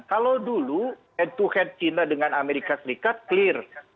kalau dulu head to head china dengan amerika serikat clear